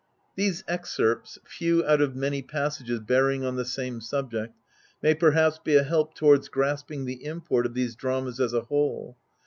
These excerpts, few out of many passages bearing on the same subject, may perhaps be a help towards grasping the import of these dramas as a whole.